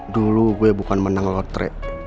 dulu gue bukan menang lotret